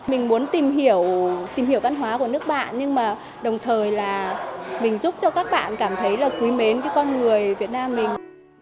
mình muốn tìm hiểu tìm hiểu văn hóa của nước bạn nhưng mà đồng thời là mình giúp cho các bạn cảm thấy là quý mến với con người việt nam mình